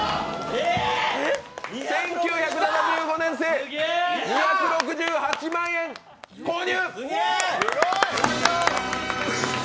１９７５年製、２６８万円購入！